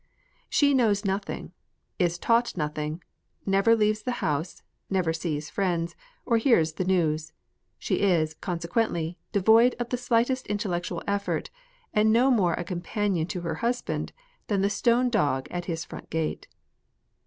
She knows nothing, she is taught nothing, never leaves the house, never sees friends, or hears the news ; she is, consequently, devoid of the slightest intellectual eflfort, and no more a companion to her husband than the stone dog at his front gate.